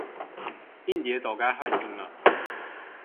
硬碟要早該換新了